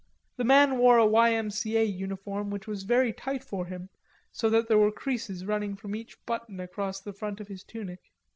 The man wore a Y. M. C. A. uniform which was very tight for him, so that there were creases running from each button across the front of his tunic.